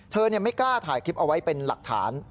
ไม่กล้าถ่ายคลิปเอาไว้เป็นหลักฐาน